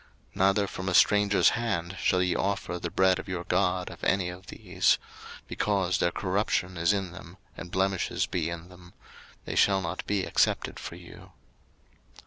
03:022:025 Neither from a stranger's hand shall ye offer the bread of your God of any of these; because their corruption is in them, and blemishes be in them: they shall not be accepted for you.